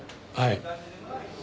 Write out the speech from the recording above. はい。